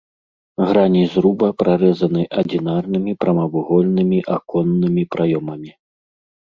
Грані зруба прарэзаны адзінарнымі прамавугольнымі аконнымі праёмамі.